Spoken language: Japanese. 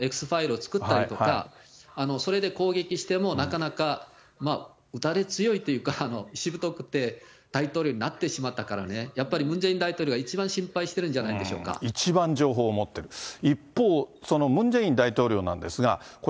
Ｘファイルを作ったりとか、それで攻撃しても、なかなか打たれ強いというか、しぶとくて、大統領になってしまったからね、やっぱりムン・ジェイン大統領が一番心配してるんじゃないでしょ一番情報を持ってる。